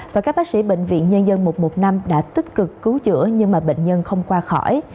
và các bác sĩ bệnh viện nhân dân một trăm một mươi năm đã tích cực cứu chữa nhưng mà bệnh nhân không qua khỏi